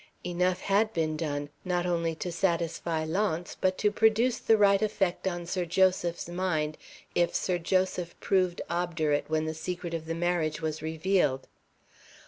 Enough had been done not only to satisfy Launce, but to produce the right effect on Sir Joseph's mind if Sir Joseph proved obdurate when the secret of the marriage was revealed.